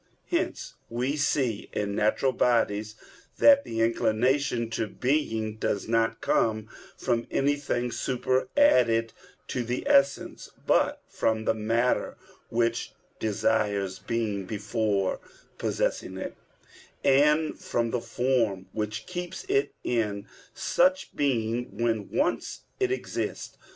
Hence we see in natural bodies that the inclination to being does not come from anything superadded to the essence, but from the matter which desires being before possessing it, and from the form which keeps it in such being when once it exists.